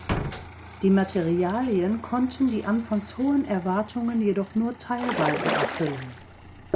Die Materialien konnten die anfangs hohen Erwartungen jedoch nur teilweise erfüllen.